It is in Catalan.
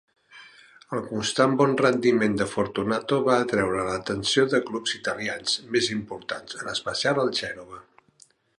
El constant bon rendiment de Fortunato va atraure l'atenció de clubs italians més importants, en especial el Gènova.